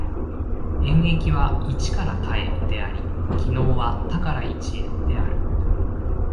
演繹は一から多へであり、帰納は多から一へである。